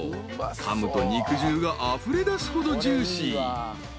［かむと肉汁があふれ出すほどジューシー］